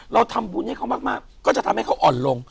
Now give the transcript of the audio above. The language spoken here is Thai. เราทำบุญให้เขามากก็จะทำให้เขาอ่อนลง